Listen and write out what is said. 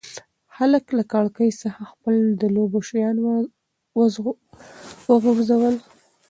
هلک له کړکۍ څخه خپل د لوبو شیان وغورځول.